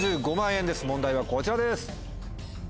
問題はこちらです。